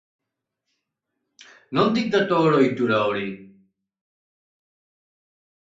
Nondik dator ohitura hori?